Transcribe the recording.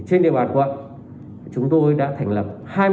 trên địa bàn quận chúng tôi đã thành lập hai mươi chín tổ